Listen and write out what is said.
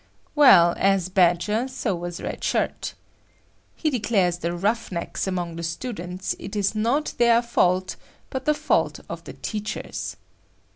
Well, as Badger, so was Red Shirt. He declares the "Rough Necks" among the students is not their fault but the fault of the teachers.